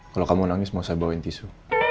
kalau kamu nangis mau saya bawain tisu